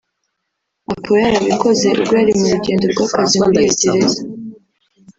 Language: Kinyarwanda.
akaba yarabikoze ubwo yari mu rugendo rw’akazi muri iyo gereza